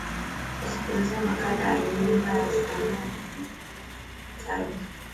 kusikiliza makala ya nyumba ya sanaa lakini kabla msikilizaji